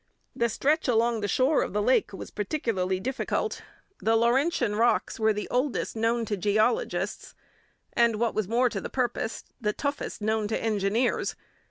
The stretch along the shore of the lake was particularly difficult. The Laurentian rocks were the oldest known to geologists, and, what was more to the purpose, the toughest known to engineers.